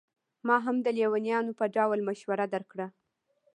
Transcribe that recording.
ما هم د لېونیانو په ډول مشوره درکړه.